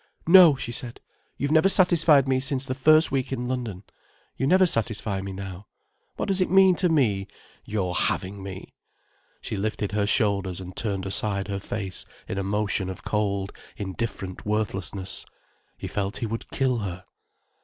"No," she said. "You've never satisfied me since the first week in London. You never satisfy me now. What does it mean to me, your having me—"] She lifted her shoulders and turned aside her face in a motion of cold, indifferent worthlessness. He felt he would kill her.